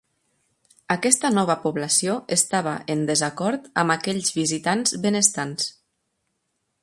Aquesta nova població estava en desacord amb aquells visitants benestants.